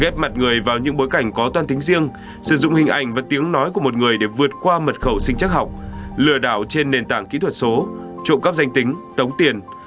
gep mặt người vào những bối cảnh có toan tính riêng sử dụng hình ảnh và tiếng nói của một người để vượt qua mật khẩu sinh chắc học lừa đảo trên nền tảng kỹ thuật số trộm cắp danh tính tống tiền